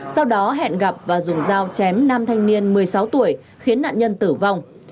sau đó hẹn gặp và dùng dao chém nam thanh niên một mươi sáu tuổi khiến nạn nhân tử vong